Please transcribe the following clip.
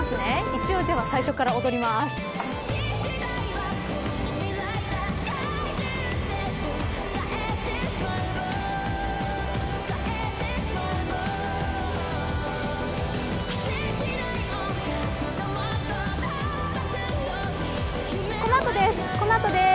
一応、最初から踊ります。